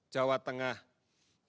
jawa tengah delapan puluh sembilan orang